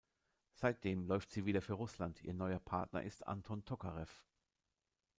Seitdem läuft sie wieder für Russland, ihr neuer Partner ist Anton Tokarew.